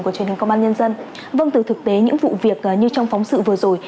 của truyền hình công an nhân dân vâng từ thực tế những vụ việc như trong phóng sự vừa rồi